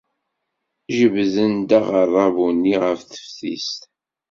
Jebden-d aɣerrabu-nni ɣer teftist.